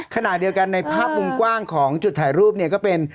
ขณะเดียวกันในภาพมุมกว้างของจุดถ่ายรูปเนี่ยก็เป็น